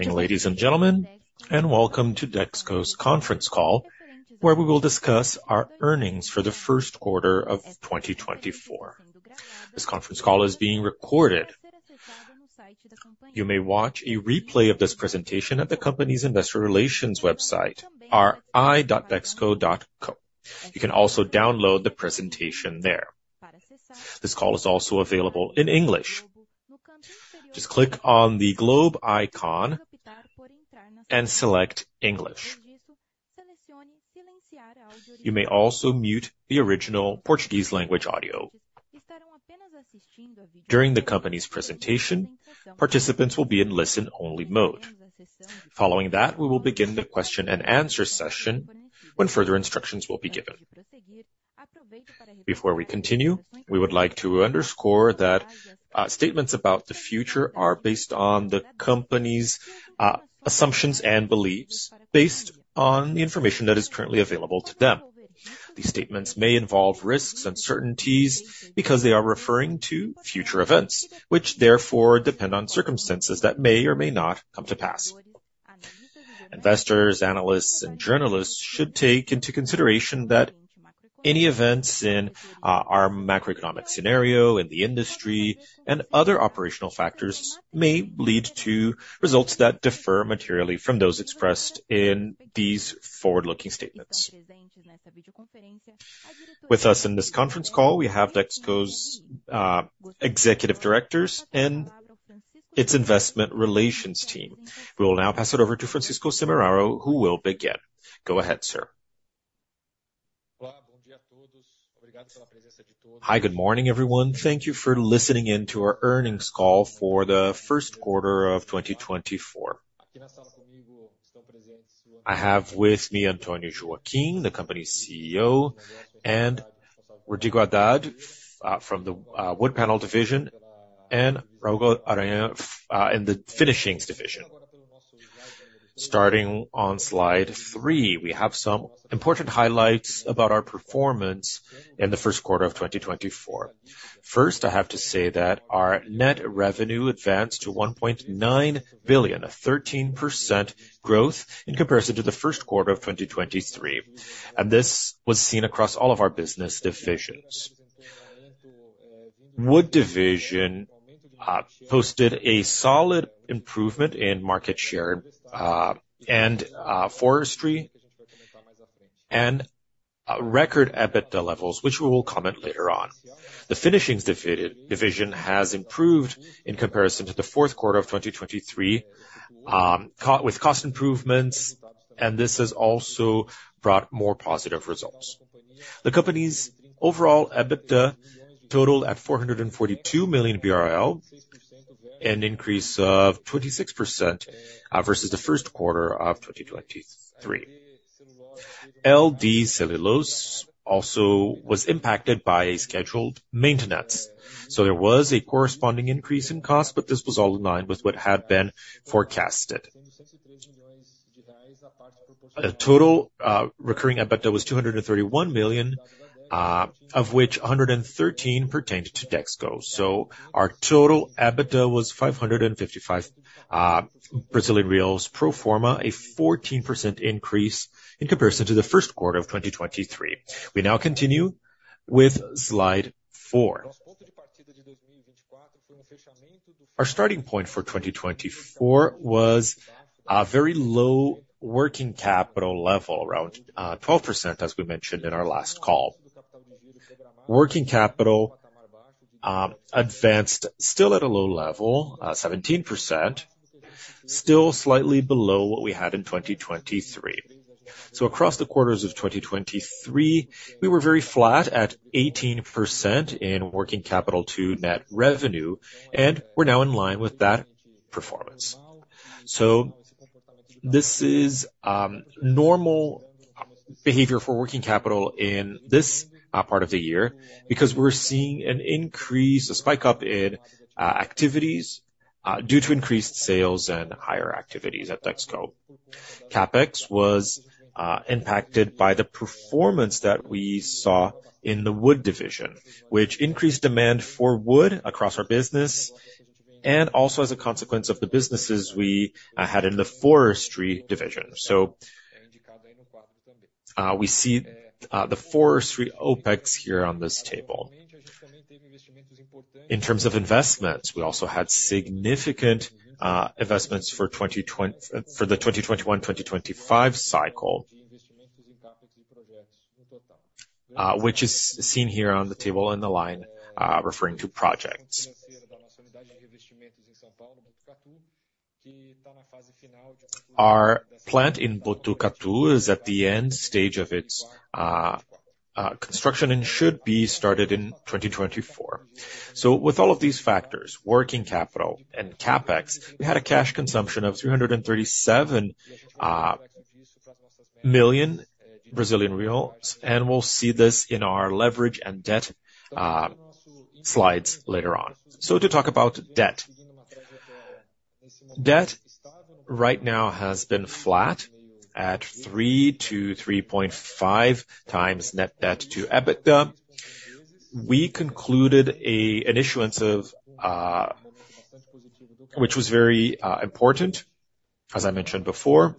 Ladies and gentlemen, and welcome to Dexco's conference call, where we will discuss our earnings for the first quarter of 2024. This conference call is being recorded. You may watch a replay of this presentation at the company's investor relations website, ri.dexco.co. You can also download the presentation there. This call is also available in English. Just click on the globe icon and select English. You may also mute the original Portuguese-language audio. During the company's presentation, participants will be in listen-only mode. Following that, we will begin the question-and-answer session when further instructions will be given. Before we continue, we would like to underscore that statements about the future are based on the company's assumptions and beliefs based on the information that is currently available to them. These statements may involve risks and certainties because they are referring to future events, which therefore depend on circumstances that may or may not come to pass. Investors, analysts, and journalists should take into consideration that any events in our macroeconomic scenario, in the industry, and other operational factors may lead to results that differ materially from those expressed in these forward-looking statements. With us in this conference call, we have Dexco's executive directors and its investment relations team. We will now pass it over to Francisco Semeraro, who will begin. Go ahead, sir. Hi, good morning, everyone. Thank you for listening in to our earnings call for the first quarter of 2024. I have with me Antonio Joaquim de Oliveira, the company's CEO, and Carlos Henrique Haddad from the wood panel division and Raul Guaragna in the finishings division. Starting on slide three, we have some important highlights about our performance in the first quarter of 2024. First, I have to say that our net revenue advanced to 1.9 billion, a 13% growth in comparison to the first quarter of 2023, and this was seen across all of our business divisions. Wood division posted a solid improvement in market share and forestry and record EBITDA levels, which we will comment later on. The finishings division has improved in comparison to the fourth quarter of 2023 with cost improvements, and this has also brought more positive results. The company's overall EBITDA totaled at 442 million BRL, an increase of 26% versus the first quarter of 2023. LD Celulose also was impacted by scheduled maintenance, so there was a corresponding increase in cost, but this was all in line with what had been forecasted. The total recurring EBITDA was 231 million, of which 113 million pertained to Dexco. So our total EBITDA was 555 million Brazilian reais pro forma, a 14% increase in comparison to the first quarter of 2023. We now continue with slide 4. Our starting point for 2024 was a very low working capital level, around 12%, as we mentioned in our last call. Working capital advanced still at a low level, 17%, still slightly below what we had in 2023. So across the quarters of 2023, we were very flat at 18% in working capital to net revenue, and we're now in line with that performance. So this is normal behavior for working capital in this part of the year because we're seeing an increase, a spike up in activities due to increased sales and higher activities at Dexco. CapEx was impacted by the performance that we saw in the wood division, which increased demand for wood across our business and also as a consequence of the businesses we had in the forestry division. So we see the forestry OPEX here on this table. In terms of investments, we also had significant investments for the 2021-2025 cycle, which is seen here on the table in the line referring to projects. Our plant in Botucatu is at the end stage of its construction and should be started in 2024. So with all of these factors, working capital and CapEx, we had a cash consumption of 337 million Brazilian reais, and we'll see this in our leverage and debt slides later on. So to talk about debt, debt right now has been flat at 3-3.5 times net debt to EBITDA. We concluded an issuance of, which was very important, as I mentioned before.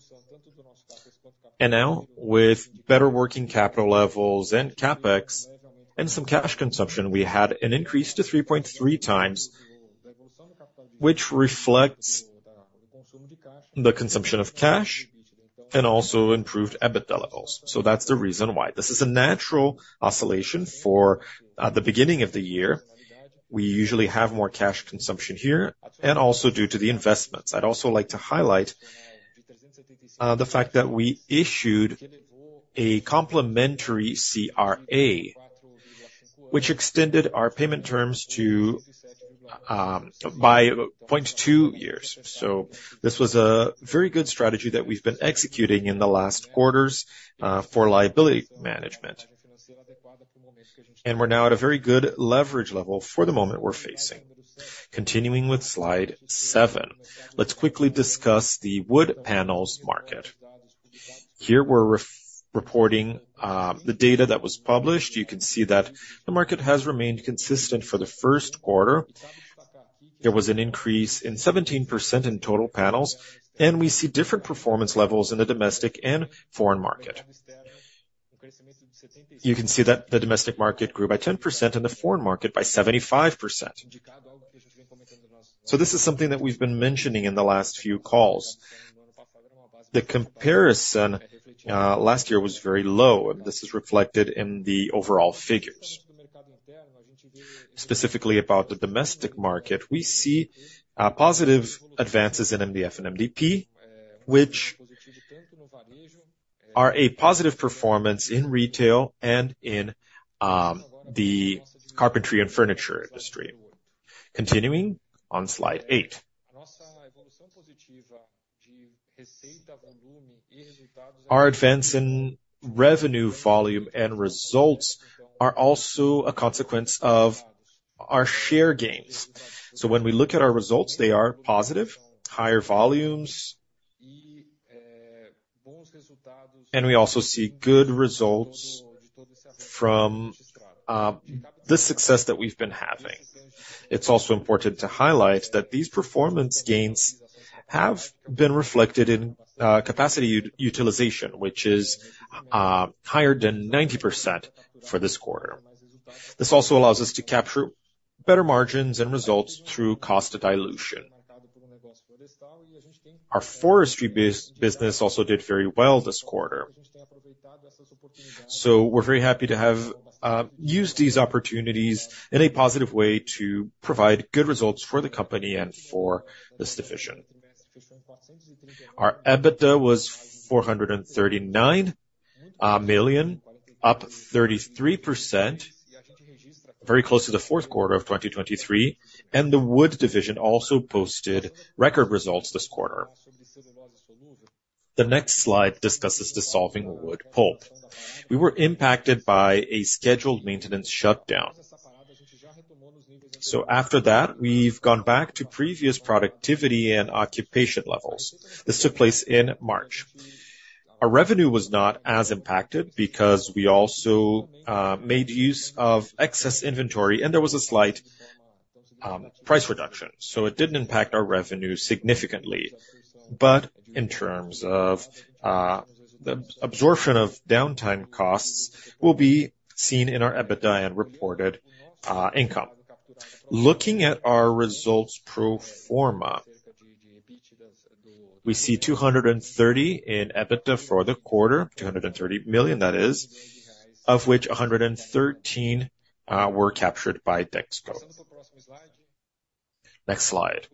And now, with better working capital levels and CapEx and some cash consumption, we had an increase to 3.3 times, which reflects the consumption of cash and also improved EBITDA levels. So that's the reason why. This is a natural oscillation for the beginning of the year. We usually have more cash consumption here and also due to the investments. I'd also like to highlight the fact that we issued a complementary CRA, which extended our payment terms by 0.2 years. So this was a very good strategy that we've been executing in the last quarters for liability management, and we're now at a very good leverage level for the moment we're facing. Continuing with slide 7, let's quickly discuss the wood panels market. Here, we're reporting the data that was published. You can see that the market has remained consistent for the first quarter. There was an increase in 17% in total panels, and we see different performance levels in the domestic and foreign market. You can see that the domestic market grew by 10% and the foreign market by 75%. So this is something that we've been mentioning in the last few calls. The comparison last year was very low, and this is reflected in the overall figures. Specifically about the domestic market, we see positive advances in MDF and MDP, which are a positive performance in retail and in the carpentry and furniture industry. Continuing on slide 8, our advance in revenue volume and results are also a consequence of our share gains. So when we look at our results, they are positive, higher volumes, and we also see good results from the success that we've been having. It's also important to highlight that these performance gains have been reflected in capacity utilization, which is higher than 90% for this quarter. This also allows us to capture better margins and results through cost dilution. Our forestry business also did very well this quarter, so we're very happy to have used these opportunities in a positive way to provide good results for the company and for this division. Our EBITDA was 439 million, up 33%, very close to the fourth quarter of 2023, and the wood division also posted record results this quarter. The next slide discusses dissolving wood pulp. We were impacted by a scheduled maintenance shutdown. So after that, we've gone back to previous productivity and occupation levels. This took place in March. Our revenue was not as impacted because we also made use of excess inventory, and there was a slight price reduction, so it didn't impact our revenue significantly. But in terms of the absorption of downtime costs, it will be seen in our EBITDA and reported income. Looking at our results pro forma, we see 230 million in EBITDA for the quarter, 230 million, that is, of which 113 million were captured by Dexco. Next slide.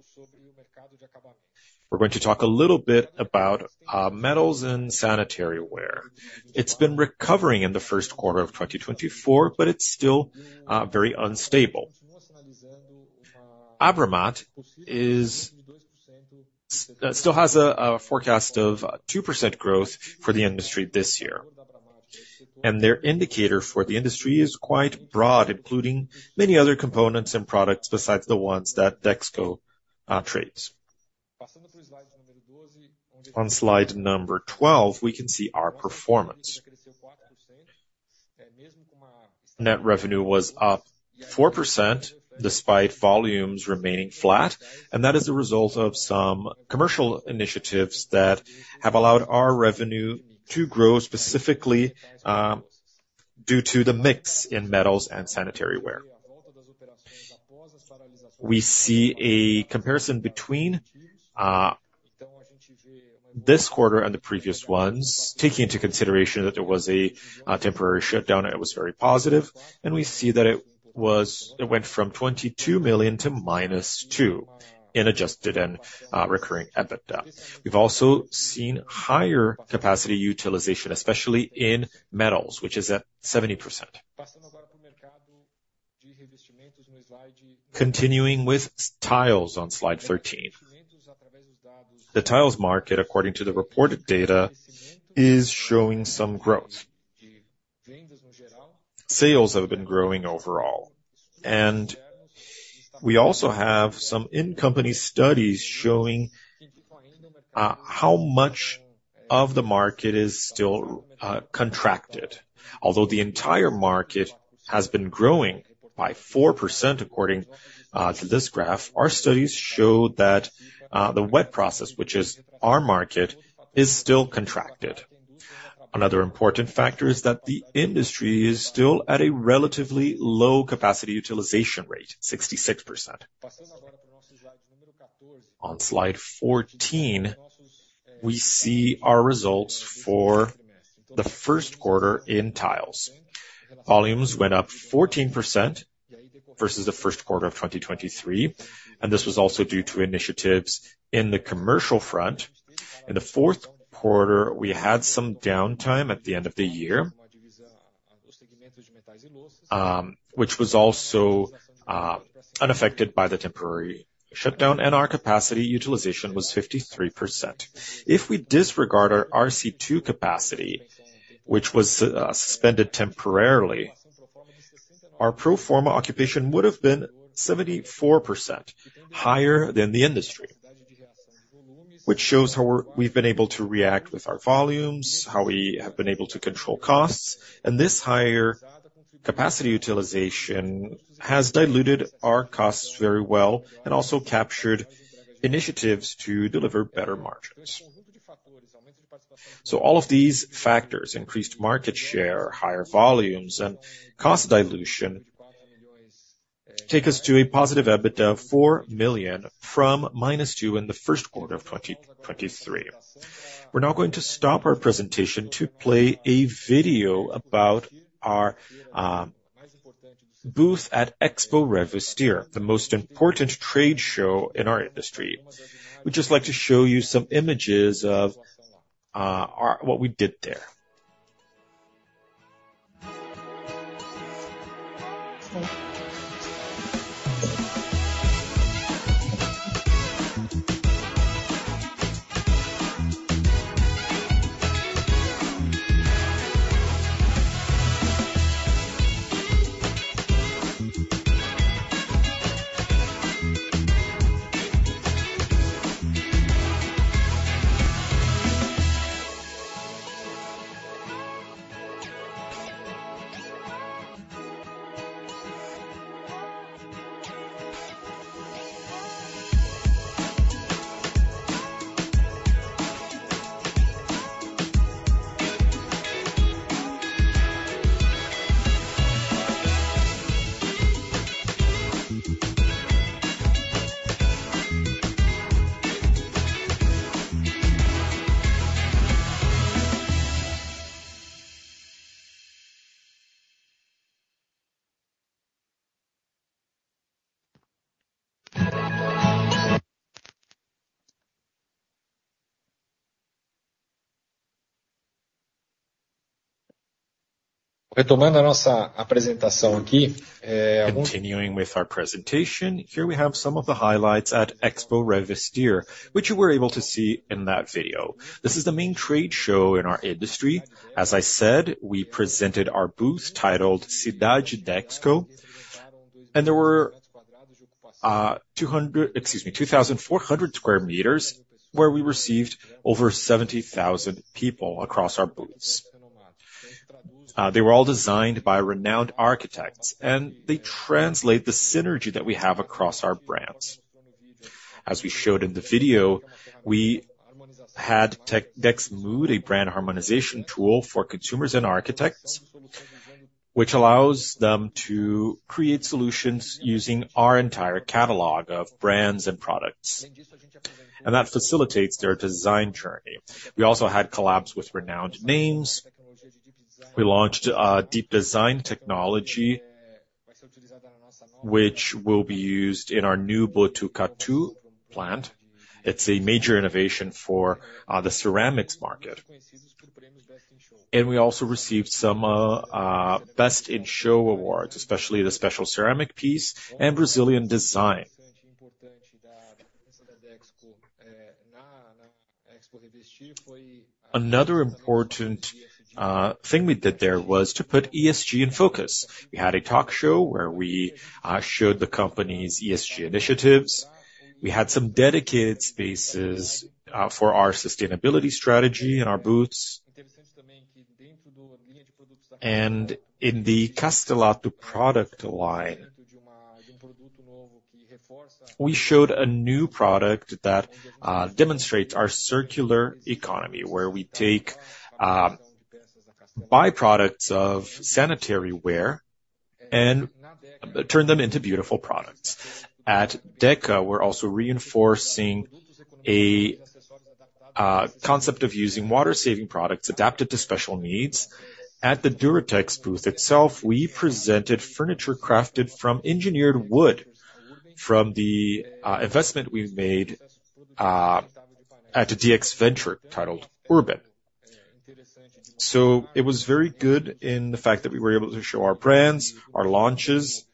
We're going to talk a little bit about metals and sanitary wear. It's been recovering in the first quarter of 2024, but it's still very unstable. Abramat still has a forecast of 2% growth for the industry this year, and their indicator for the industry is quite broad, including many other components and products besides the ones that Dexco trades. On slide number 12, we can see our performance. Net revenue was up 4% despite volumes remaining flat, and that is the result of some commercial initiatives that have allowed our revenue to grow specifically due to the mix in metals and sanitary wear. We see a comparison between this quarter and the previous ones. Taking into consideration that there was a temporary shutdown, it was very positive, and we see that it went from 22 million to -2 million in adjusted and recurring EBITDA. We've also seen higher capacity utilization, especially in metals, which is at 70%. Continuing with tiles on slide 13, the tiles market, according to the reported data, is showing some growth. Sales have been growing overall, and we also have some in-company studies showing how much of the market is still contracted. Although the entire market has been growing by 4% according to this graph, our studies show that the wet process, which is our market, is still contracted. Another important factor is that the industry is still at a relatively low capacity utilization rate, 66%. On slide 14, we see our results for the first quarter in tiles. Volumes went up 14% versus the first quarter of 2023, and this was also due to initiatives in the commercial front. In the fourth quarter, we had some downtime at the end of the year, which was also unaffected by the temporary shutdown, and our capacity utilization was 53%. If we disregard our RC2 capacity, which was suspended temporarily, our pro forma occupation would have been 74%, higher than the industry, which shows how we've been able to react with our volumes, how we have been able to control costs. This higher capacity utilization has diluted our costs very well and also captured initiatives to deliver better margins. All of these factors, increased market share, higher volumes, and cost dilution, take us to a positive EBITDA of 4 million from minus 2 million in the first quarter of 2023. We're now going to stop our presentation to play a video about our booth at Expo Revestir, the most important trade show in our industry. We'd just like to show you some images of what we did there. Continuing with our presentation, here we have some of the highlights at Expo Revestir, which you were able to see in that video. This is the main trade show in our industry. As I said, we presented our booth titled Cidade Dexco, and there were 2,400 square meters where we received over 70,000 people across our booths. They were all designed by renowned architects, and they translate the synergy that we have across our brands. As we showed in the video, we had Dexmood, a brand harmonization tool for consumers and architects, which allows them to create solutions using our entire catalog of brands and products, and that facilitates their design journey. We also had collabs with renowned names. We launched Deep Design technology, which will be used in our new Botucatu plant. It's a major innovation for the ceramics market. We also received some Best in Show Awards, especially the special ceramic piece and Brazilian design. Another important thing we did there was to put ESG in focus. We had a talk show where we showed the company's ESG initiatives. We had some dedicated spaces for our sustainability strategy in our booths. And in the Castelato product line, we showed a new product that demonstrates our circular economy, where we take byproducts of sanitary ware and turn them into beautiful products. At Deca, we're also reinforcing a concept of using water-saving products adapted to special needs. At the Duratex booth itself, we presented furniture crafted from engineered wood from the investment we made at a DX Ventures titled Urbem. So it was very good in the fact that we were able to show our brands, our launches.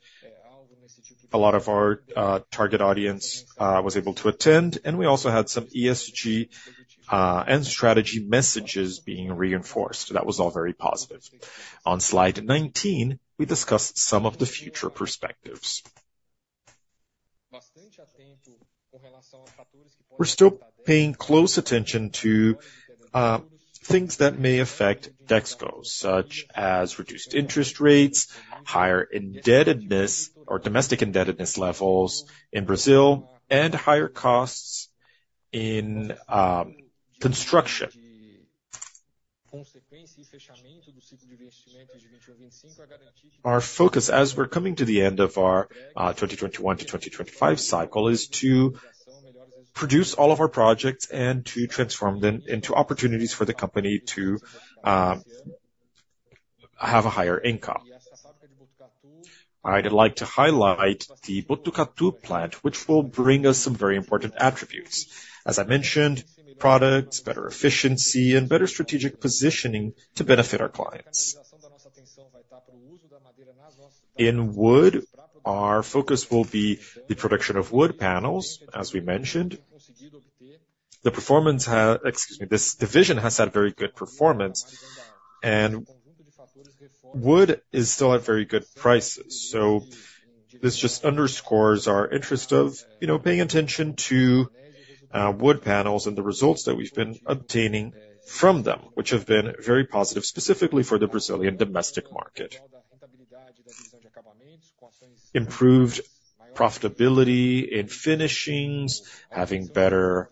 A lot of our target audience was able to attend, and we also had some ESG and strategy messages being reinforced. That was all very positive. On slide 19, we discussed some of the future perspectives. We're still paying close attention to things that may affect Dexco, such as reduced interest rates, higher domestic indebtedness levels in Brazil, and higher costs in construction. Our focus, as we're coming to the end of our 2021-2025 cycle, is to produce all of our projects and to transform them into opportunities for the company to have a higher income. I'd like to highlight the Botucatu plant, which will bring us some very important attributes. As I mentioned, products, better efficiency, and better strategic positioning to benefit our clients. In wood, our focus will be the production of wood panels, as we mentioned. performance, excuse me, this division has had very good performance, and wood is still at very good prices. So this just underscores our interest of paying attention to wood panels and the results that we've been obtaining from them, which have been very positive, specifically for the Brazilian domestic market. Improved profitability in finishings, having better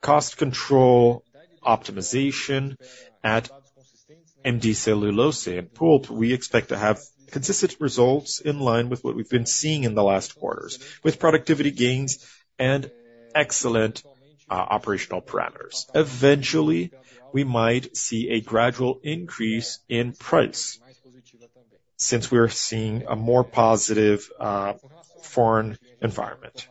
cost control optimization at LD Celulose and Pulp, we expect to have consistent results in line with what we've been seeing in the last quarters, with productivity gains and excellent operational parameters. Eventually, we might see a gradual increase in price since we're seeing a more positive foreign environment.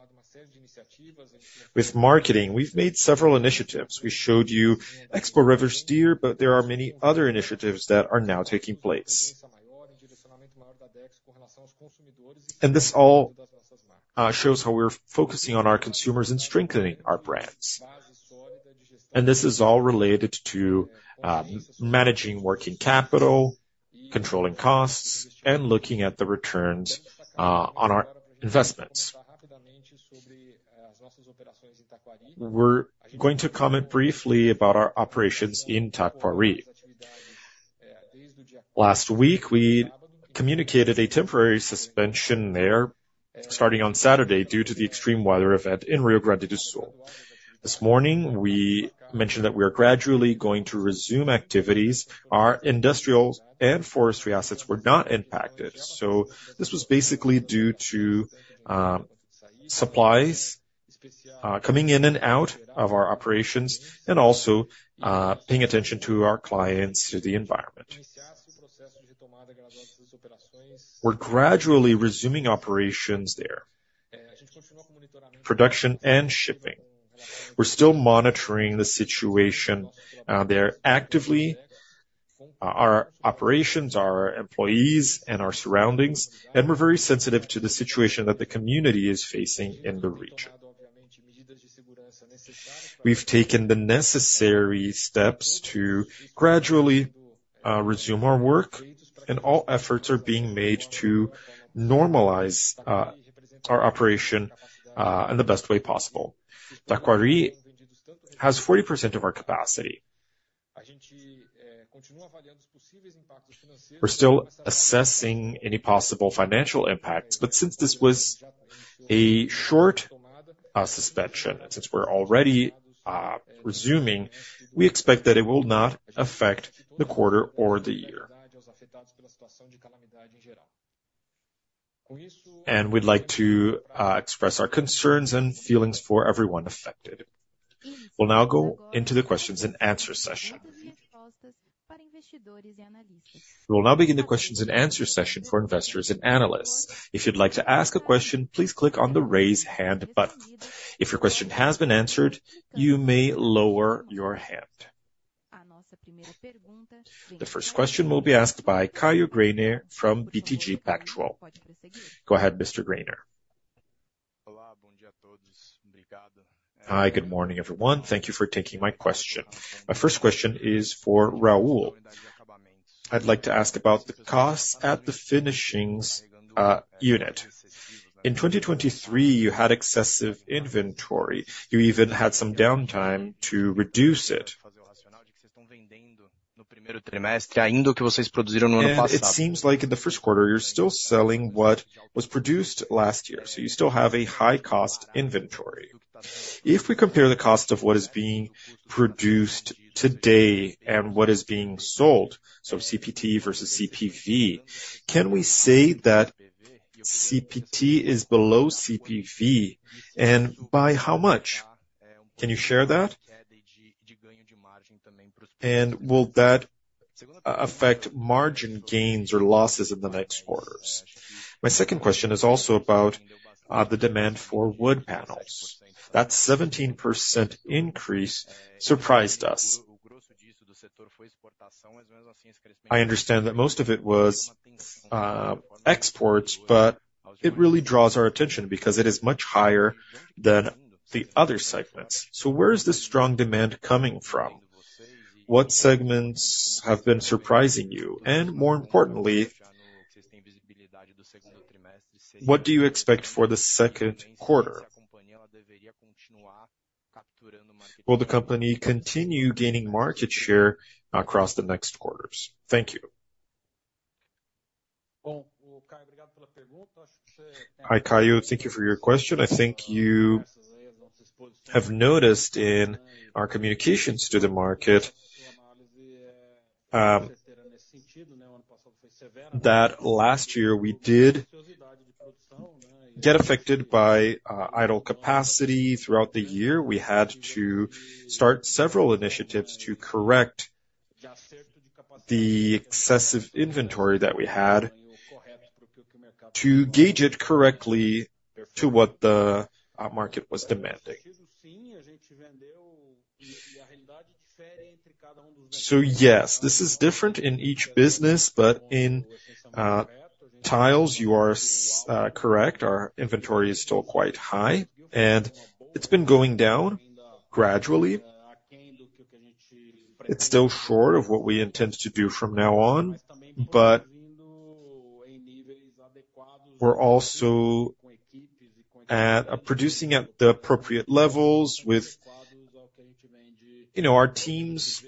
With marketing, we've made several initiatives. We showed you Expo Revestir, but there are many other initiatives that are now taking place. And this all shows how we're focusing on our consumers and strengthening our brands. This is all related to managing working capital, controlling costs, and looking at the returns on our investments. We're going to comment briefly about our operations in Taquari. Last week, we communicated a temporary suspension there, starting on Saturday due to the extreme weather event in Rio Grande do Sul. This morning, we mentioned that we are gradually going to resume activities. Our industrial and forestry assets were not impacted. This was basically due to supplies coming in and out of our operations and also paying attention to our clients, to the environment. We're gradually resuming operations there, production and shipping. We're still monitoring the situation there actively, our operations, our employees, and our surroundings, and we're very sensitive to the situation that the community is facing in the region. We've taken the necessary steps to gradually resume our work, and all efforts are being made to normalize our operation in the best way possible. Taquari has 40% of our capacity. We're still assessing any possible financial impacts, but since this was a short suspension and since we're already resuming, we expect that it will not affect the quarter or the year. We'd like to express our concerns and feelings for everyone affected. We'll now go into the questions and answers session. We will now begin the questions and answers session for investors and analysts. If you'd like to ask a question, please click on the raise hand button. If your question has been answered, you may lower your hand. The first question will be asked by Caio Greiner from BTG Pactual. Go ahead, Mr. Greiner. Hi, good morning, everyone. Thank you for taking my question. My first question is for Raul. I'd like to ask about the costs at the finishings unit. In 2023, you had excessive inventory. You even had some downtime to reduce it. It seems like in the first quarter, you're still selling what was produced last year, so you still have a high-cost inventory. If we compare the cost of what is being produced today and what is being sold, so CPT versus CPV, can we say that CPT is below CPV, and by how much? Can you share that? And will that affect margin gains or losses in the next quarters? My second question is also about the demand for wood panels. That 17% increase surprised us. I understand that most of it was exports, but it really draws our attention because it is much higher than the other segments. So where is this strong demand coming from? What segments have been surprising you? And more importantly, what do you expect for the second quarter? Will the company continue gaining market share across the next quarters? Thank you. Hi, Caio. Thank you for your question. I think you have noticed in our communications to the market that last year we did get affected by idle capacity throughout the year. We had to start several initiatives to correct the excessive inventory that we had to gauge it correctly to what the market was demanding. So yes, this is different in each business, but in tiles, you are correct. Our inventory is still quite high, and it's been going down gradually. It's still short of what we intend to do from now on, but we're also producing at the appropriate levels with our teams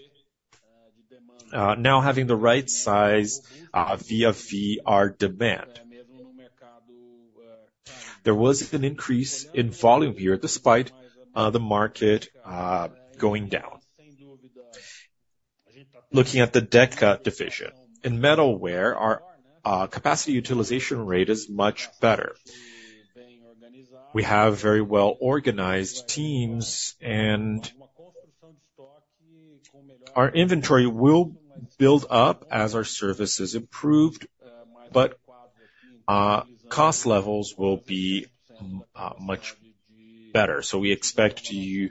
now having the right size via VR demand. There was an increase in volume here despite the market going down. Looking at the Deca division in metals, our capacity utilization rate is much better. We have very well-organized teams, and our inventory will build up as our services improve, but cost levels will be much better. So we expect to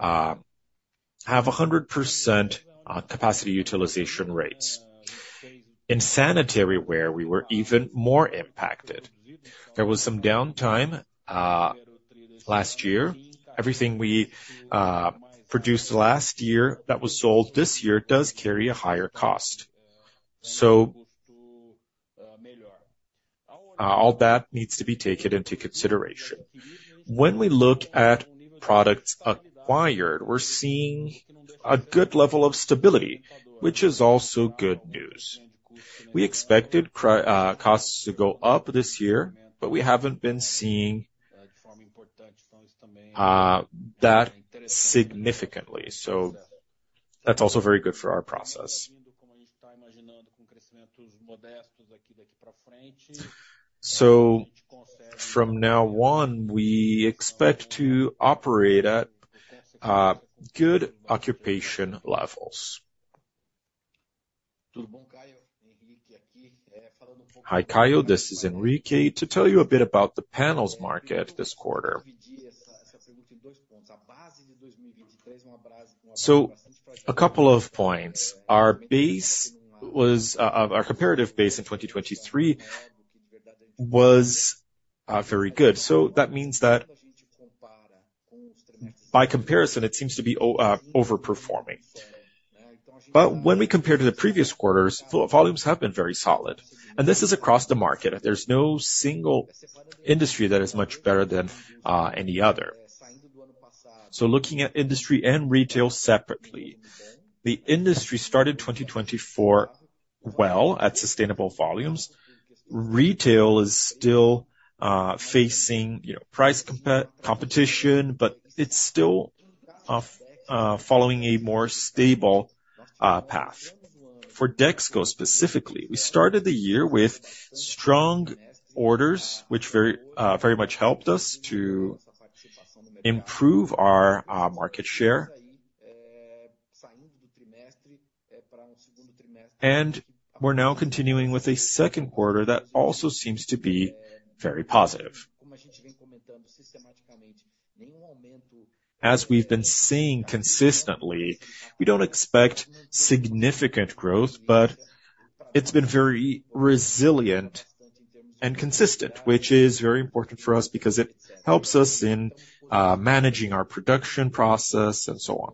have 100% capacity utilization rates. In sanitary ware, we were even more impacted. There was some downtime last year. Everything we produced last year that was sold this year does carry a higher cost. So all that needs to be taken into consideration. When we look at products acquired, we're seeing a good level of stability, which is also good news. We expected costs to go up this year, but we haven't been seeing that significantly. So that's also very good for our process. So from now on, we expect to operate at good occupation levels. Hi, Caio. This is Henrique to tell you a bit about the panels market this quarter. So a couple of points. Our comparative base in 2023 was very good. So that means that by comparison, it seems to be overperforming. But when we compare to the previous quarters, volumes have been very solid. And this is across the market. There's no single industry that is much better than any other. So looking at industry and retail separately, the industry started 2024 well at sustainable volumes. Retail is still facing price competition, but it's still following a more stable path. For Dexco specifically, we started the year with strong orders, which very much helped us to improve our market share. And we're now continuing with a second quarter that also seems to be very positive. As we've been seeing consistently, we don't expect significant growth, but it's been very resilient and consistent, which is very important for us because it helps us in managing our production process and so on.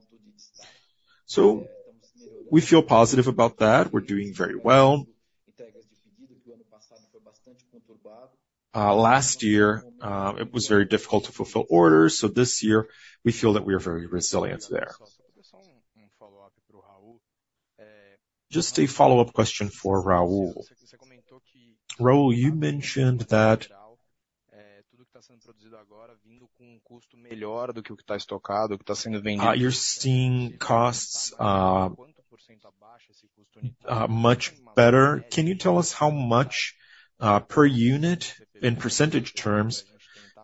So we feel positive about that. We're doing very well. Last year, it was very difficult to fulfill orders. So this year, we feel that we are very resilient there. Just a follow-up question for Raul. Raul, you mentioned that tudo que está sendo produzido agora vindo com custo melhor do que o que está estocado, o que está sendo vendido. Much better. Can you tell us how much per unit, in percentage terms,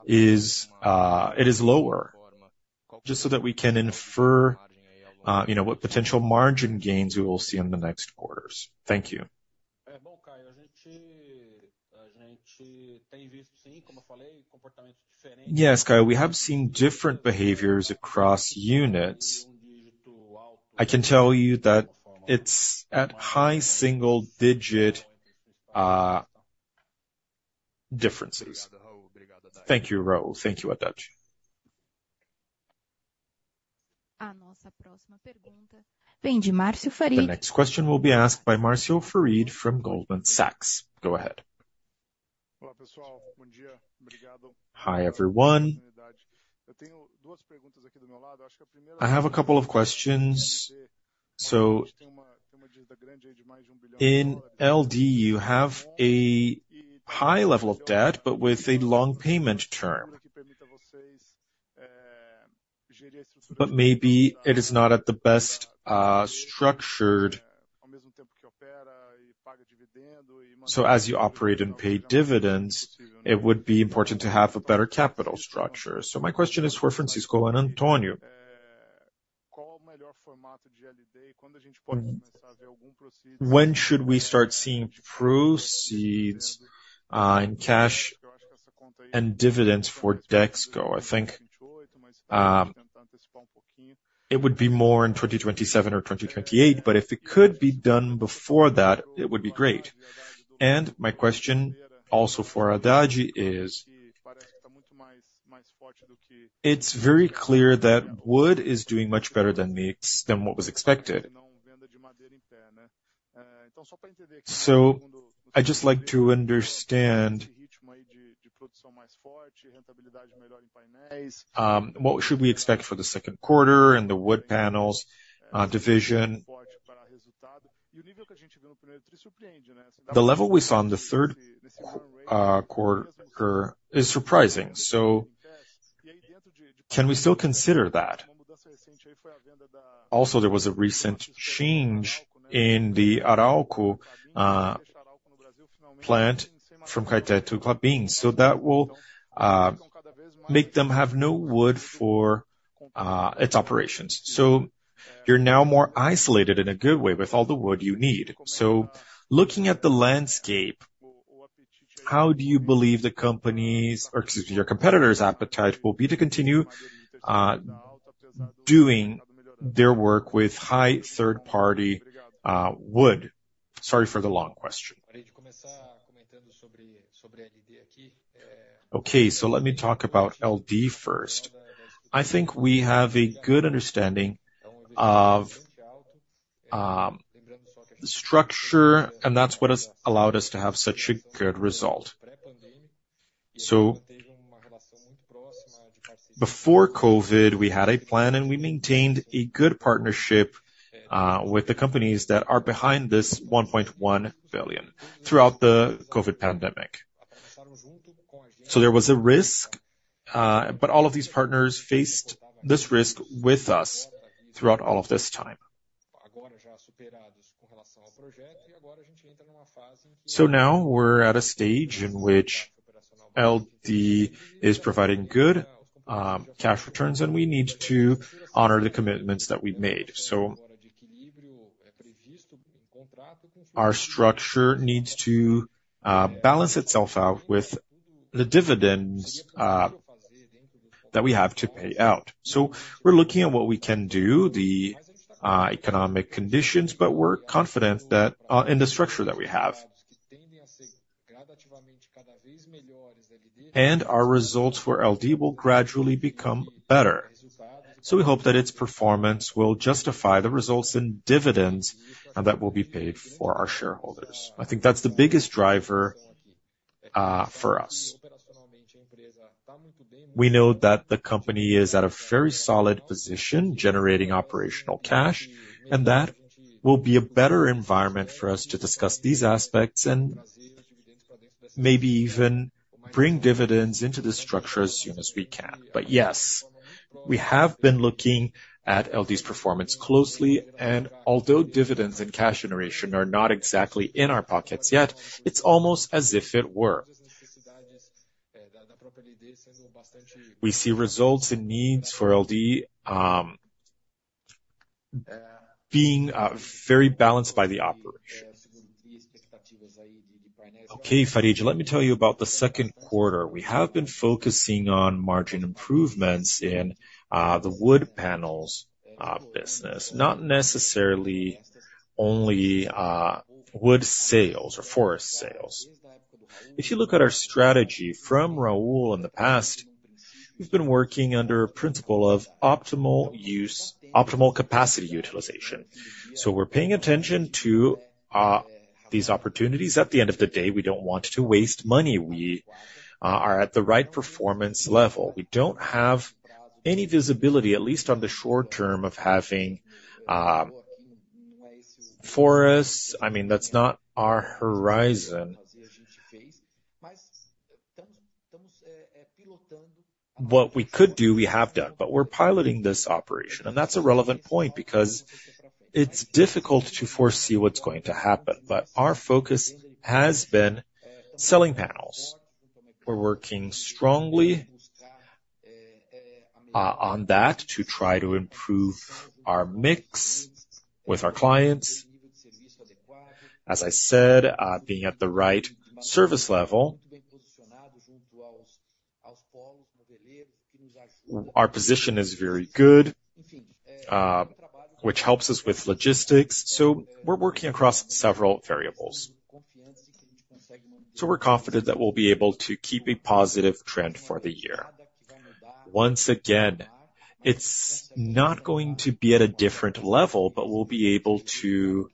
it is lower, just so that we can infer what potential margin gains we will see in the next quarters? Thank you. Yes, Caio. We have seen different behaviors across units. I can tell you that it's at high single-digit differences. Thank you, Raul. Thank you, Haddad. The next question will be asked by Marcio Farid from Goldman Sachs. Go ahead. Hi, everyone. I have a couple of questions. In LD, you have a high level of debt, but with a long payment term. But maybe it is not at the best structured. So as you operate and pay dividends, it would be important to have a better capital structure. So my question is for Francisco and Antonio. When should we start seeing proceeds in cash and dividends for Dexco? It would be more in 2027 or 2028, but if it could be done before that, it would be great. And my question also for Haddad is it's very clear that wood is doing much better than what was expected. So I just like to understand. What should we expect for the second quarter and the wood panels division? E o nível que a gente viu no primeiro tri surpreende. The level we saw in the first quarter is surprising. So can we still consider that? Also, there was a recent change in the Arauco plant from Caetê to Klabin, so that will make them have no wood for its operations. So you're now more isolated in a good way with all the wood you need. So looking at the landscape, how do you believe the companies or excuse me, your competitors' appetite will be to continue doing their work with high third-party wood? Sorry for the long question. Okay. So let me talk about LD first. I think we have a good understanding of the structure, and that's what has allowed us to have such a good result. So before COVID, we had a plan, and we maintained a good partnership with the companies that are behind this 1.1 billion throughout the COVID pandemic. So there was a risk, but all of these partners faced this risk with us throughout all of this time. So now we're at a stage in which LD is providing good cash returns, and we need to honor the commitments that we've made. So our structure needs to balance itself out with the dividends that we have to pay out. So we're looking at what we can do, the economic conditions, but we're confident in the structure that we have. And our results for LD will gradually become better. So we hope that its performance will justify the results in dividends that will be paid for our shareholders. I think that's the biggest driver for us. We know that the company is at a very solid position generating operational cash, and that will be a better environment for us to discuss these aspects and maybe even bring dividends into the structure as soon as we can. But yes, we have been looking at LD's performance closely, and although dividends and cash generation are not exactly in our pockets yet, it's almost as if it were. We see results and needs for LD being very balanced by the operation. Okay, Farid, let me tell you about the second quarter. We have been focusing on margin improvements in the wood panels business, not necessarily only wood sales or forest sales. If you look at our strategy from Raul in the past, we've been working under a principle of optimal capacity utilization. So we're paying attention to these opportunities. At the end of the day, we don't want to waste money. We are at the right performance level. We don't have any visibility, at least on the short term, of having forests. I mean, that's not our horizon. What we could do, we have done, but we're piloting this operation. And that's a relevant point because it's difficult to foresee what's going to happen. But our focus has been selling panels. We're working strongly on that to try to improve our mix with our clients. As I said, being at the right service level, our position is very good, which helps us with logistics. So we're working across several variables. So we're confident that we'll be able to keep a positive trend for the year. Once again, it's not going to be at a different level, but we'll be able to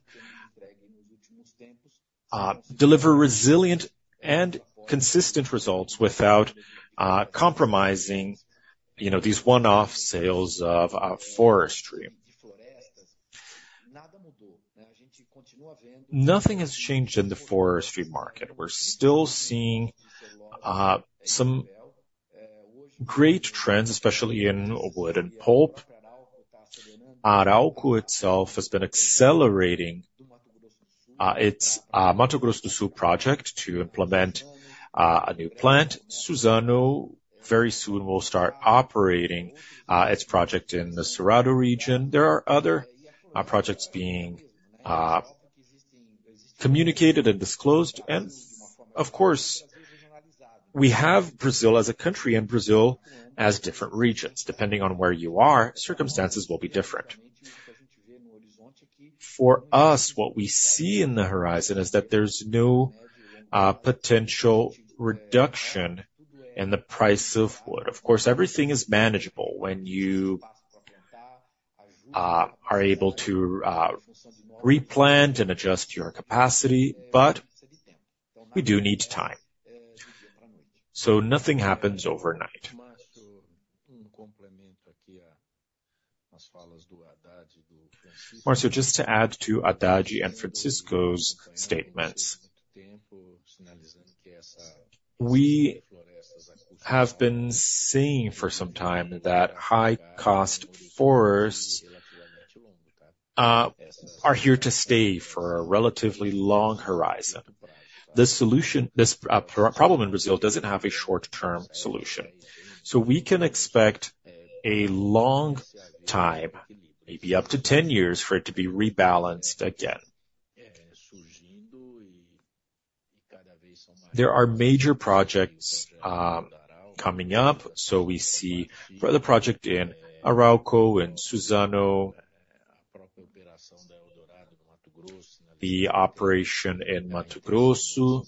deliver resilient and consistent results without compromising these one-off sales of forestry. Nothing has changed in the forestry market. We're still seeing some great trends, especially in wood and pulp. Arauco itself has been accelerating its Mato Grosso do Sul project to implement a new plant. Suzano, very soon, will start operating its project in the Cerrado region. There are other projects being communicated and disclosed. Of course, we have Brazil as a country and Brazil as different regions. Depending on where you are, circumstances will be different. For us, what we see in the horizon is that there's no potential reduction in the price of wood. Of course, everything is manageable when you are able to replant and adjust your capacity, but we do need time. Nothing happens overnight. Marcio, just to add to Haddad and Francisco's statements, we have been seeing for some time that high-cost forests are here to stay for a relatively long horizon. This problem in Brazil doesn't have a short-term solution. So we can expect a long time, maybe up to 10 years, for it to be rebalanced again. There are major projects coming up. So we see further projects in Arauco and Suzano, the operation in Mato Grosso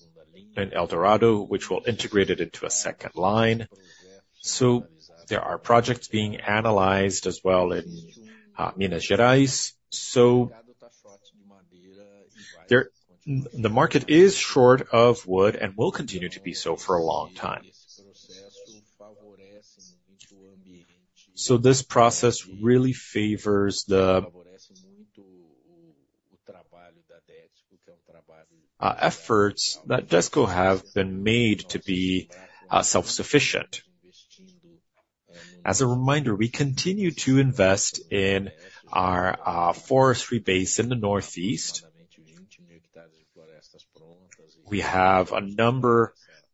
and Eldorado, which we'll integrate it into a second line. So there are projects being analyzed as well in Minas Gerais. So the market is short of wood and will continue to be so for a long time. So this process really favors the efforts that Dexco have been made to be self-sufficient. As a reminder, we continue to invest in our forestry base in the Northeast. We have a number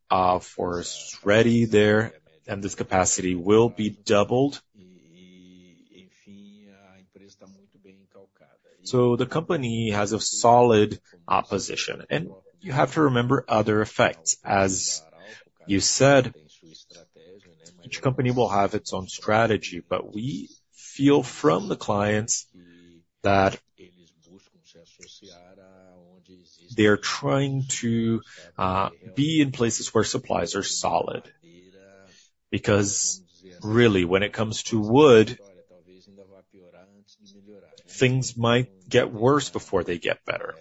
of forests ready there, and this capacity will be doubled. So the company has a solid position. You have to remember other effects. As you said, each company will have its own strategy, but we feel from the clients that they are trying to be in places where supplies are solid. Because really, when it comes to wood, things might get worse before they get better.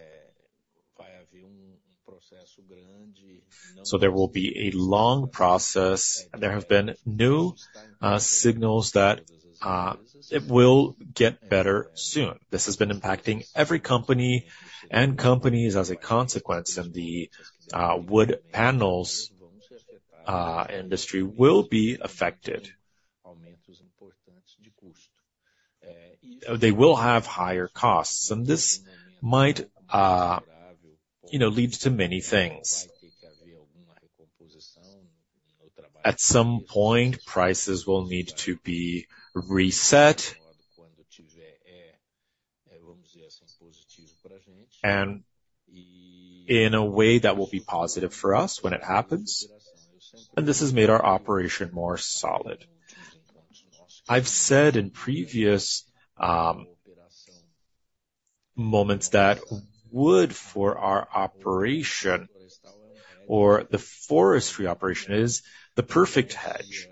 There will be a long process. There have been new signals that it will get better soon. This has been impacting every company and companies as a consequence, and the wood panels industry will be affected. They will have higher costs, and this might lead to many things. At some point, prices will need to be reset, and in a way that will be positive for us when it happens. This has made our operation more solid. I've said in previous moments that wood for our operation or the forestry operation is the perfect hedge.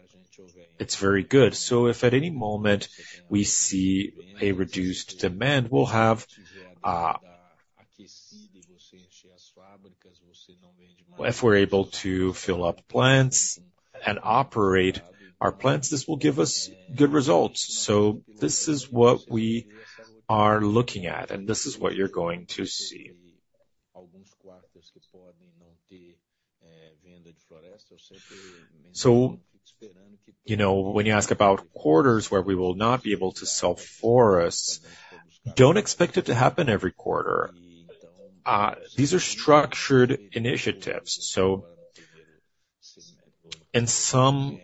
It's very good. So if at any moment we see a reduced demand, if we're able to fill up plants and operate our plants, this will give us good results. So this is what we are looking at, and this is what you're going to see. So when you ask about quarters where we will not be able to sell forests, don't expect it to happen every quarter. These are structured initiatives. So in some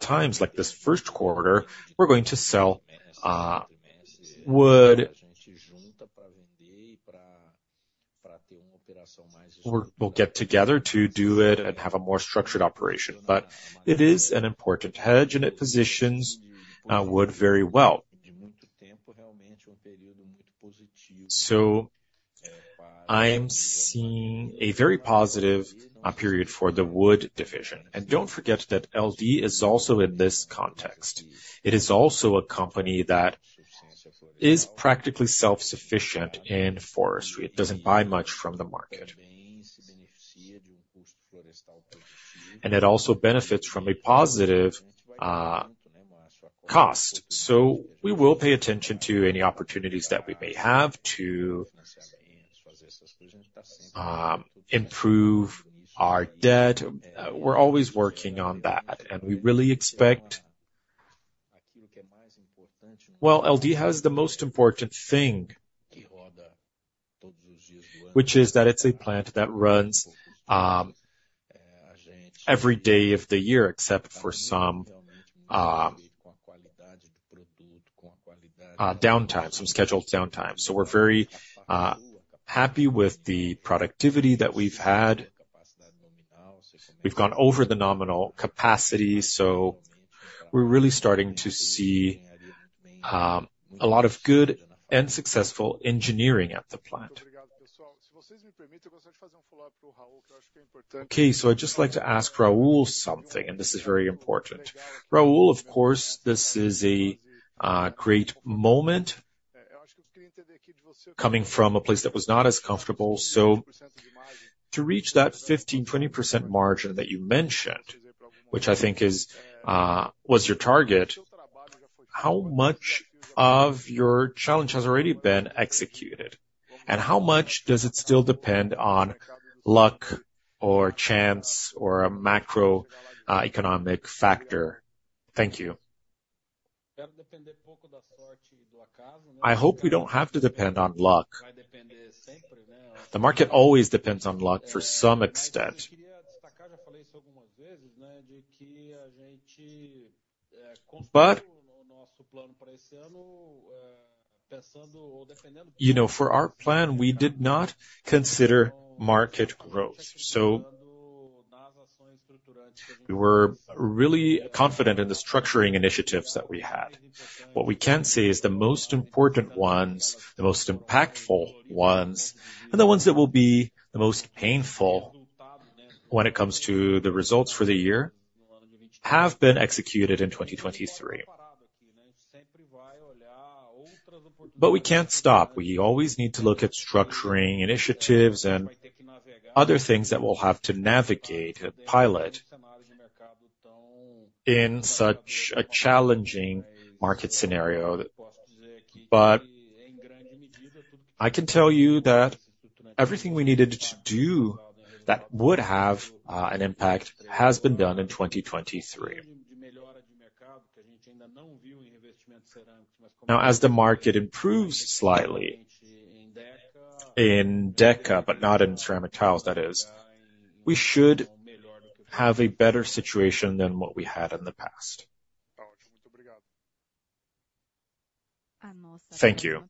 times, like this first quarter, we're going to sell wood. We'll get together to do it and have a more structured operation. But it is an important hedge, and it positions wood very well. So I am seeing a very positive period for the wood division. And don't forget that LD is also in this context. It is also a company that is practically self-sufficient in forestry. It doesn't buy much from the market. And it also benefits from a positive cost. So we will pay attention to any opportunities that we may have to improve our debt. We're always working on that. And we really expect, well, LD has the most important thing, which is that it's a plant that runs every day of the year except for some downtime, some scheduled downtime. So we're very happy with the productivity that we've had. We've gone over the nominal capacity. So we're really starting to see a lot of good and successful engineering at the plant. Okay. So I'd just like to ask Raul something, and this is very important. Raul, of course, this is a great moment coming from a place that was not as comfortable. To reach that 15%-20% margin that you mentioned, which I think was your target, how much of your challenge has already been executed? And how much does it still depend on luck or chance or a macroeconomic factor? Thank you. I hope we don't have to depend on luck. The market always depends on luck for some extent. But for our plan, we did not consider market growth. So we were really confident in the structuring initiatives that we had. What we can say is the most important ones, the most impactful ones, and the ones that will be the most painful when it comes to the results for the year have been executed in 2023. But we can't stop. We always need to look at structuring initiatives and other things that we'll have to navigate and pilot in such a challenging market scenario. But I can tell you that everything we needed to do that would have an impact has been done in 2023. Now, as the market improves slightly in Deca, but not in ceramic tiles, that is, we should have a better situation than what we had in the past. Thank you.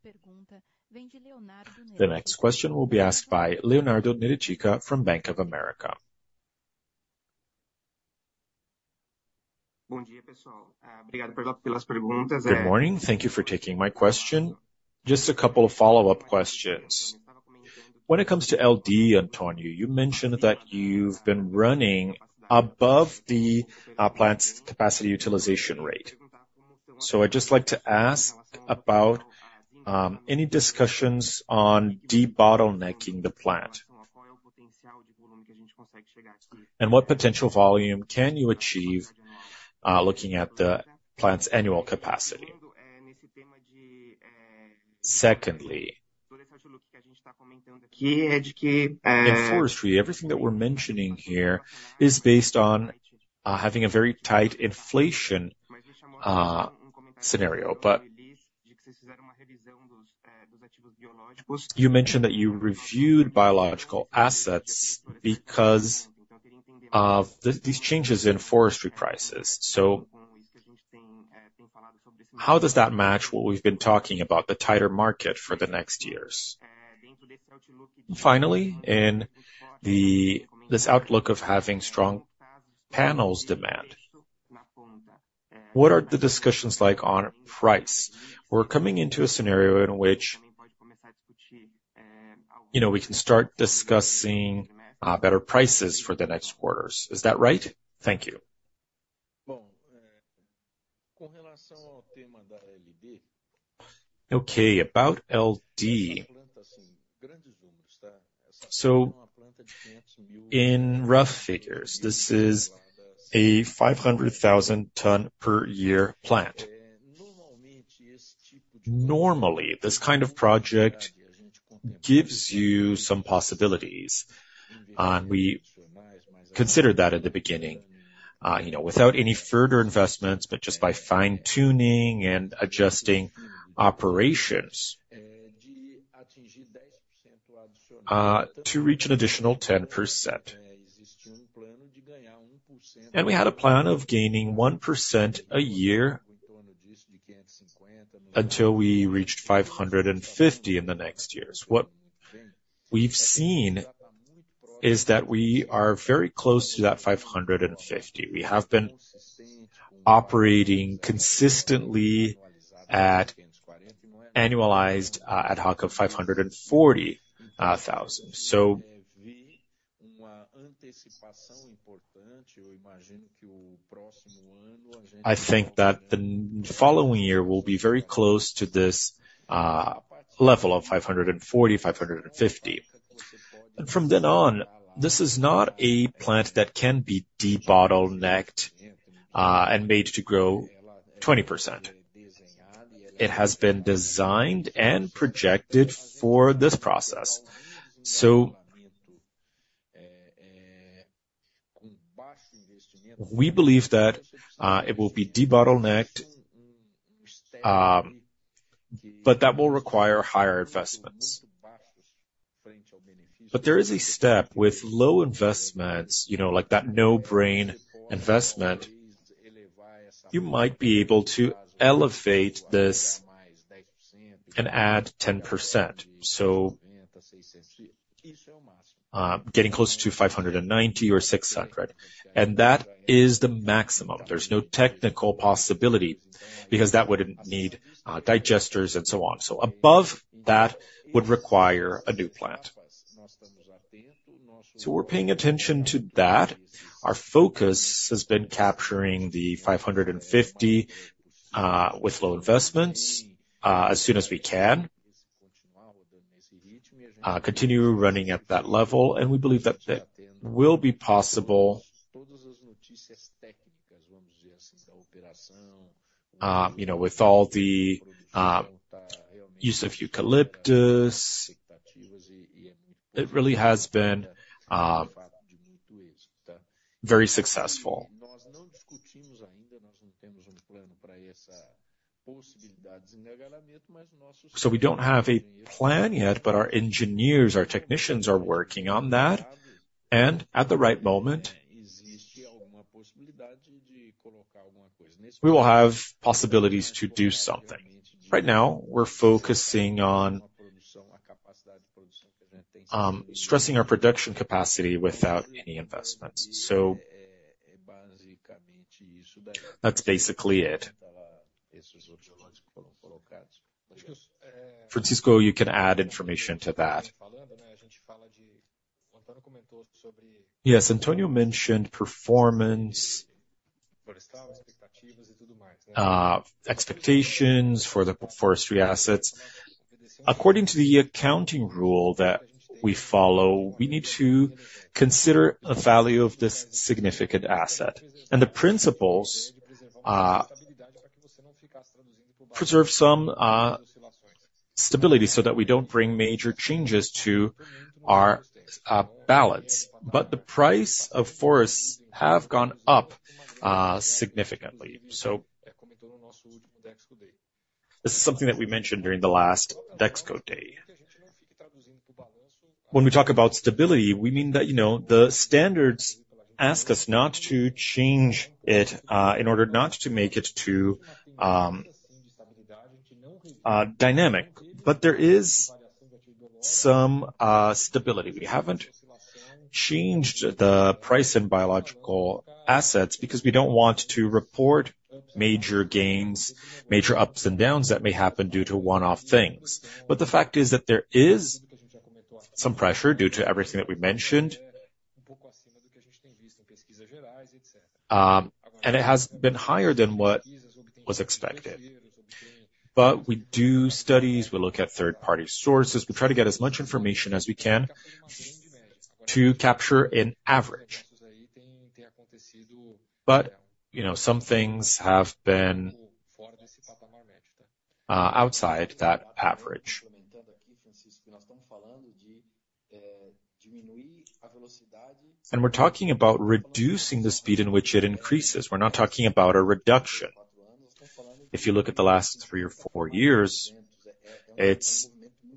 The next question will be asked by Leonardo Correa from Bank of America. Good morning. Thank you for taking my question. Just a couple of follow-up questions. When it comes to LD, Antonio, you mentioned that you've been running above the plant's capacity utilization rate. So I'd just like to ask about any discussions on debottlenecking the plant and what potential volume can you achieve looking at the plant's annual capacity? Secondly, in forestry, everything that we're mentioning here is based on having a very tight inflation scenario. But you mentioned that you reviewed biological assets because of these changes in forestry prices. So how does that match what we've been talking about, the tighter market for the next years? Finally, in this outlook of having strong panels demand, what are the discussions like on price? We're coming into a scenario in which we can start discussing better prices for the next quarters. Is that right? Thank you. Okay. About LD, in rough figures, this is a 500,000-ton-per-year plant. Normally, this kind of project gives you some possibilities. And we considered that at the beginning. Without any further investments, but just by fine-tuning and adjusting operations, to reach an additional 10%, and we had a plan of gaining 1% a year until we reached 550 in the next years. What we've seen is that we are very close to that 550. We have been operating consistently at annualized ad hoc of 540,000. So I think that the following year will be very close to this level of 540-550. And from then on, this is not a plant that can be debottlenecked and made to grow 20%. It has been designed and projected for this process. So we believe that it will be debottlenecked, but that will require higher investments. But there is a step with low investments, like that no-brainer investment, you might be able to elevate this and add 10%, so getting close to 590 or 600. And that is the maximum. There's no technical possibility because that would need digesters and so on. So above that would require a new plant. So we're paying attention to that. Our focus has been capturing the 550 with low investments as soon as we can, continue running at that level. We believe that it will be possible with all the use of eucalyptus. It really has been very successful. So we don't have a plan yet, but our engineers, our technicians are working on that. And at the right moment, we will have possibilities to do something. Right now, we're focusing on stressing our production capacity without any investments. So that's basically it. Francisco, you can add information to that. Yes. Antonio mentioned performance, expectations for the forestry assets. According to the accounting rule that we follow, we need to consider the value of this significant asset and the principles to preserve some stability so that we don't bring major changes to our balance. But the price of forests has gone up significantly. So this is something that we mentioned during the last Dexco Day. When we talk about stability, we mean that the standards ask us not to change it in order not to make it too dynamic. But there is some stability. We haven't changed the price in biological assets because we don't want to report major gains, major ups and downs that may happen due to one-off things. But the fact is that there is some pressure due to everything that we mentioned, and it has been higher than what was expected. But we do studies. We look at third-party sources. We try to get as much information as we can to capture an average. But some things have been outside that average. And we're talking about reducing the speed in which it increases. We're not talking about a reduction. If you look at the last three or four years, it's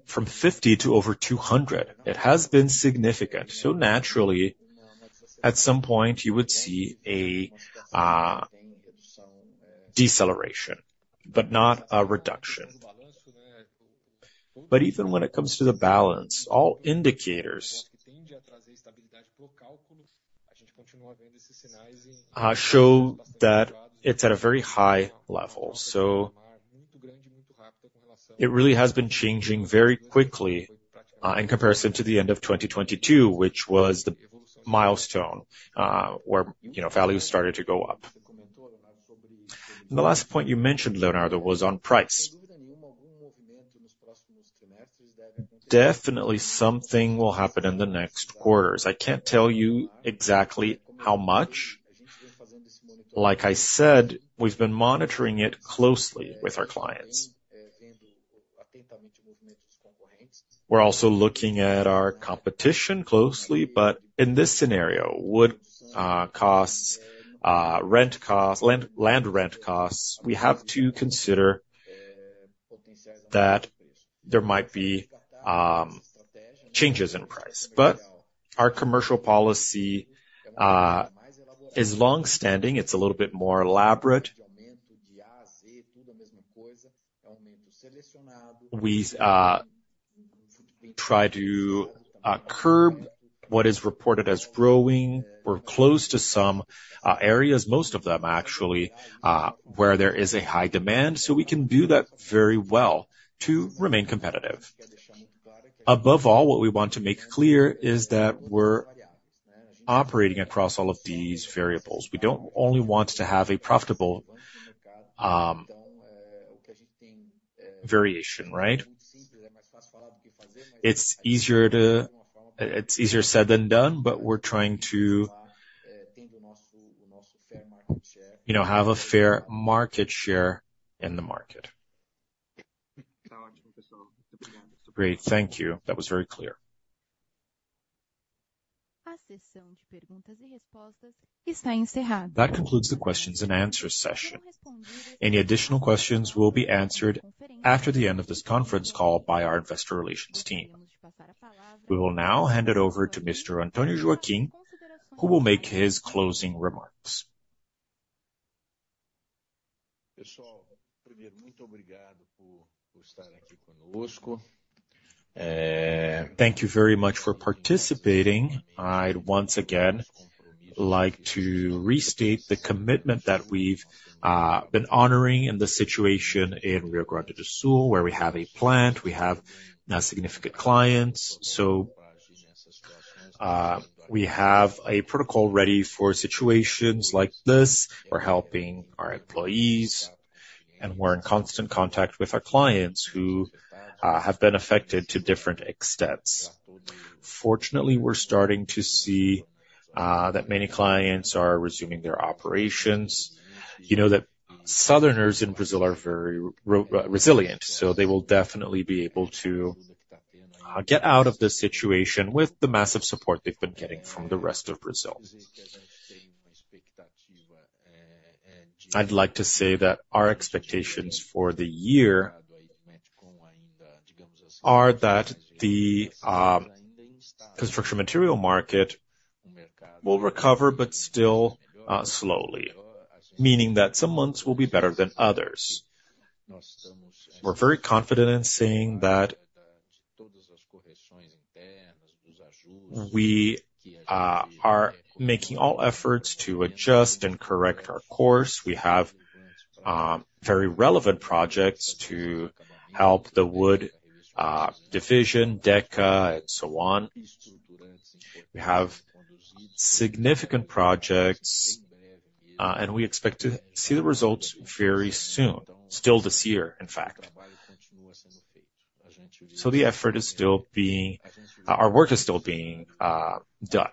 from 50 to over 200. It has been significant. So naturally, at some point, you would see a deceleration, but not a reduction. But even when it comes to the balance, all indicators show that it's at a very high level. So it really has been changing very quickly in comparison to the end of 2022, which was the milestone where value started to go up. The last point you mentioned, Leonardo, was on price. Definitely, something will happen in the next quarters. I can't tell you exactly how much. Like I said, we've been monitoring it closely with our clients. We're also looking at our competition closely. But in this scenario, wood costs, land rent costs, we have to consider that there might be changes in price. But our commercial policy is longstanding. It's a little bit more elaborate. We try to curb what is reported as growing. We're close to some areas, most of them actually, where there is a high demand. So we can do that very well to remain competitive. Above all, what we want to make clear is that we're operating across all of these variables. We don't only want to have a profitable variation, right? It's easier said than done, but we're trying to have a fair market share in the market. Great. Thank you. That was very clear. A sessão de perguntas e respostas está encerrada. Any additional questions will be answered after the end of this conference call by our investor relations team. We will now hand it over to Mr. Antonio Joaquim, who will make his closing remarks. Thank you very much for participating. I'd once again like to restate the commitment that we've been honoring in the situation in Rio Grande do Sul, where we have a plant, we have significant clients. So we have a protocol ready for situations like this. We're helping our employees, and we're in constant contact with our clients who have been affected to different extents. Fortunately, we're starting to see that many clients are resuming their operations. You know that Southerners in Brazil are very resilient. So they will definitely be able to get out of this situation with the massive support they've been getting from the rest of Brazil. I'd like to say that our expectations for the year are that the construction material market will recover, but still slowly, meaning that some months will be better than others. We're very confident in saying that we are making all efforts to adjust and correct our course. We have very relevant projects to help the Wood Division, Deca, and so on. We have significant projects, and we expect to see the results very soon, still this year, in fact. So the effort is still being our work is still being done.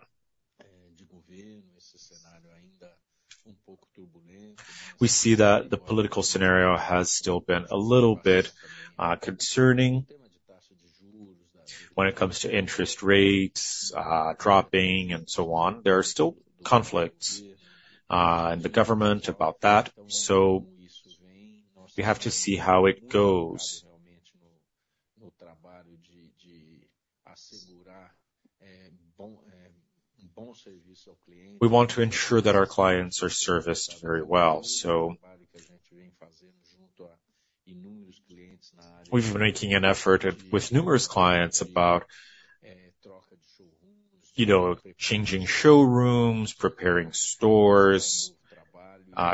We see that the political scenario has still been a little bit concerning when it comes to interest rates dropping and so on. There are still conflicts in the government about that. We have to see how it goes. We want to ensure that our clients are serviced very well. We've been making an effort with numerous clients about changing showrooms, preparing stores,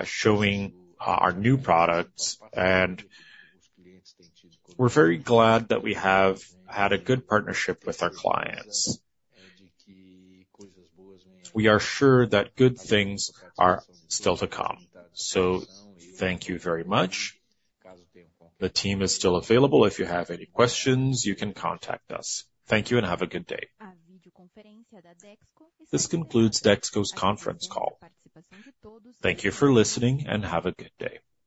showing our new products. We're very glad that we have had a good partnership with our clients. We are sure that good things are still to come. Thank you very much. The team is still available. If you have any questions, you can contact us. Thank you, and have a good day. This concludes Dexco's conference call. Thank you for listening, and have a good day.